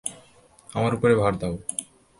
আমার উপরে ভার দাও।